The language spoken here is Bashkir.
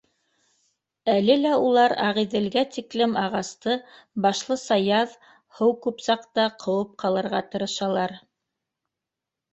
Әле лә улар Ағиҙелгә тиклем ағасты башлыса яҙ, һыу күп саҡта, ҡыуып ҡалырға тырышалар